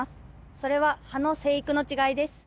それは葉の生育の違いです。